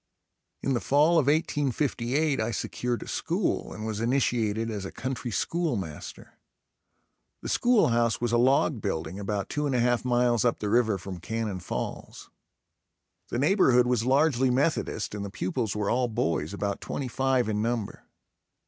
In the fall of 1858 I secured a school and was initiated as a country school master. The school house was a log building, about two and a half miles up the river from Cannon Falls. The neighborhood was largely Methodist and the pupils were all boys, about twenty five in number.